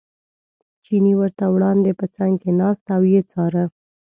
چیني ورته وړاندې په څنګ کې ناست او یې څاره.